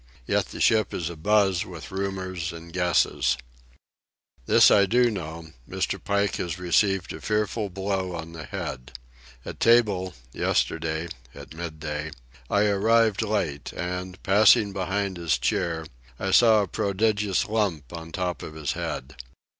Yet the ship is abuzz with rumours and guesses. This I do know: Mr. Pike has received a fearful blow on the head. At table, yesterday, at midday, I arrived late, and, passing behind his chair, I saw a prodigious lump on top of his head.